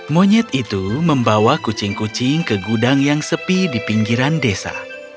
monyet itu membawa kucing kucing ke gudang yang sepi di pinggiran desa